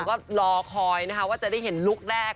ก็รอคอยนะคะว่าจะได้เห็นลุคแรก